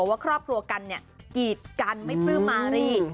ว่าครอบครัวกันเนี่ยกีดกันไม่ปลื้มมารี